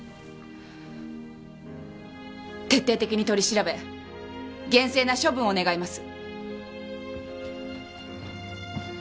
徹底的に取り調べ厳正な処分を願います。